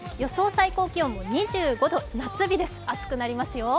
最高気温も２５度夏日です、暑くなりますよ。